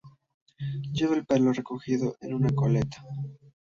Lleva el pelo recogido en una coleta.